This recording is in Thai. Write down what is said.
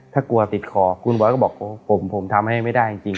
ถ้ากลัวติดคอคุณบอสก็บอกผมทำให้ไม่ได้จริง